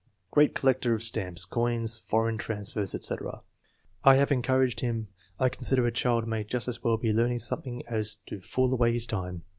Great collector of stamps, coins, foreign transfers, etc. " I have encouraged him. I consider a child may just as well be learning some thing as to fool away his time.